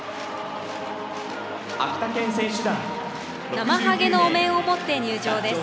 なまはげのお面を持って入場です。